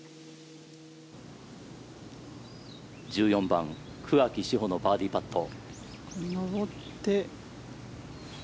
１４番、桑木志帆のバーディーパット。